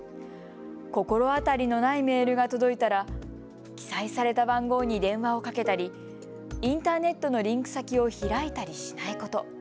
心当たりのないメールが届いたら記載された番号に電話をかけたりインターネットのリンク先を開いたりしないこと。